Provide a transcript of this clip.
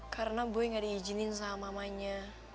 karena boy enggak diizinin sama mamanya